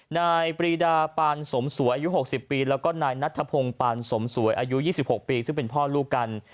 นายปรีดาปานสมสวยอายุ๖๐ปีแล้วก็นายนัทธพงศ์ปานสมสวยอายุ๒๖ปีซึ่งเป็นพ่อลูกกัน